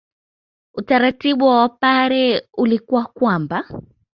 Utaratibu wa Wapare ulikuwa kwamba